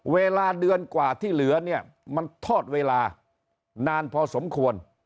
เวลาเดือนกว่าที่เหลือเนี่ยมันทอดเวลานานพอสมควร